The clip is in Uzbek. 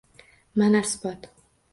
Mana isbot